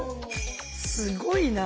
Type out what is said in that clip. すごいな。